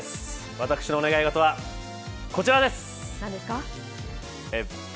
私の願い事はこちらです。